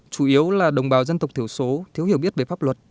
chủ yếu là đồng bào dân tộc thiểu số thiếu hiểu biết về pháp luật